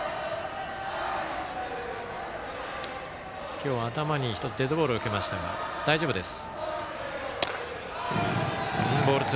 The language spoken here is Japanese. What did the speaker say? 今日、頭に１つ、デッドボールを受けましたが大丈夫です。